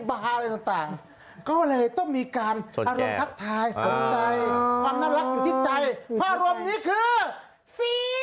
เพราะรวมนี้คือศรีสันข่าวเช้าตรู่บรรกาศ